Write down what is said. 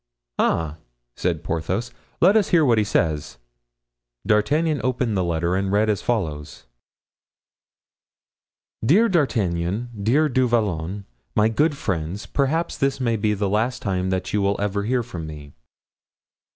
"Ah!" said Porthos, "let us hear what he says." D'Artagnan opened the letter and read as follows: "Dear D'Artagnan, dear Du Vallon, my good friends, perhaps this may be the last time that you will ever hear from me.